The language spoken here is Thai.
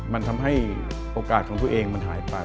มันทำให้โอกาสของตัวเองมันหายไป